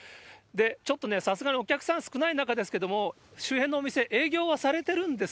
ちょっとね、さすがにお客さん少ない中ですけれども、周辺のお店、営業はされてるんです。